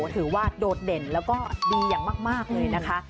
ถือว่าโดดเด่นแล้วก็ดีอย่างมากเลยนะคะ